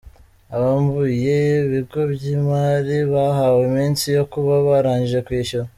Abambuye ibigo by’imari bahawe iminsi yo kuba barangije kwishyura